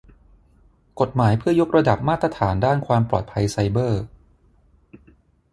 กฎหมายเพื่อยกระดับมาตรฐานด้านความปลอดภัยไซเบอร์